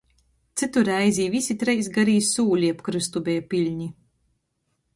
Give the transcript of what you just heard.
Cytu reizi i vysi treis garī sūli ap krystu beja pylni.